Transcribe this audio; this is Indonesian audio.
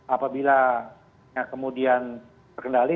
apabila yang kemudian terjadi